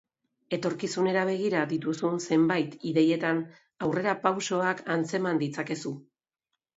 Etorkizunera begira dituzun zenbait ideietan aurrerapausoak antzeman ditzakezu.